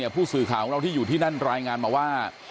ผู้สื่อข่าวของเราที่อยู่ที่นั่นรายงานมาว่า